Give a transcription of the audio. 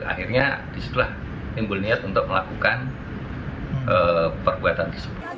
akhirnya diselah timbul niat untuk melakukan perbuatan